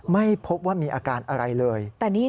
ไม่พบว่ามีอาการอะไรเลย